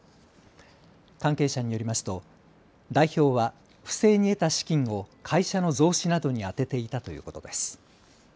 関係者によりますと代表は不正に得た資金を会社の増資などに充てていたということです。